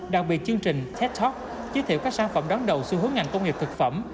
đặc biệt chương trình tech tok giới thiệu các sản phẩm đón đầu xu hướng ngành công nghiệp thực phẩm